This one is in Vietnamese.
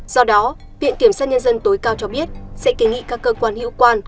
do đó viện kiểm soát nhân dân tối cao cho biết sẽ kỷ nghị các cơ quan hiệu quan